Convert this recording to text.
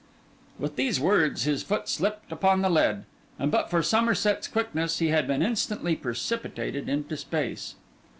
With these words his foot slipped upon the lead; and but for Somerset's quickness, he had been instantly precipitated into space.